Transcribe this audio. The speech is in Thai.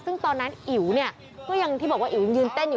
ซึ่งตอนนั้นอิ๋วเนี่ยก็ยังที่บอกว่าอิ๋วยืนเต้นอยู่